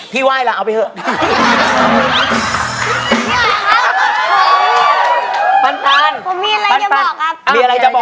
มีอะไรจะบอกครับ